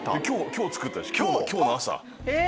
今日作った今日の朝。